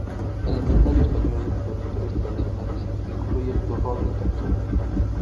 El Inventario Español de Productos Tradicionales incluye el Turrón de Castuera.